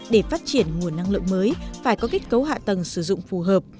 để phát triển nguồn năng lượng mới phải có kết cấu hạ tầng sử dụng phù hợp